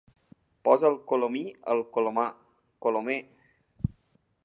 Posa el colomí al colomar, Colomer.